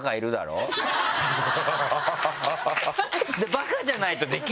バカじゃないとできないじゃん。